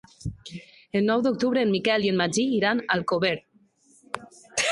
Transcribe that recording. El nou d'octubre en Miquel i en Magí iran a Alcover.